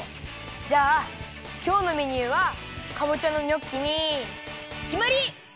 じゃあきょうのメニューはかぼちゃのニョッキにきまり！